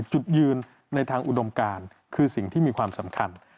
จุดยืนในทางอุดมการคือสิ่งที่มีความสำคัญ